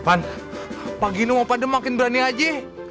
pan pak gino mau pandem makin berani aja